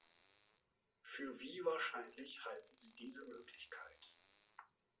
Für wie wahrscheinlich halten Sie diese Möglichkeit?